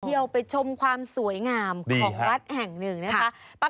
เที่ยวไปชมความสวยงามของวัดแห่งหนึ่งนะคะ